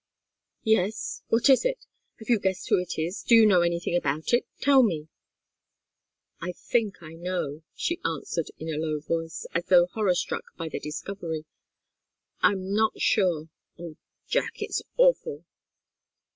"Yes what is it? Have you guessed who it is? Do you know anything about it? Tell me!" "I think I know," she answered, in a low voice, as though horror struck by the discovery. "I'm not sure oh, Jack! It's awful!"